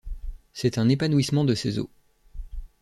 C’est un épanouissement de ses eaux.